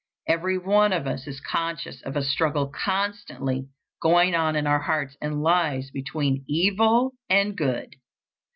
Every one of us is conscious of a struggle constantly going on in our hearts and lives between evil and good.